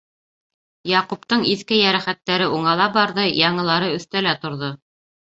Яҡуптың иҫке йәрәхәттәре уңала барҙы, яңылары өҫтәлә торҙо.